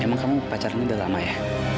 emang kamu pacarannya udah lama ya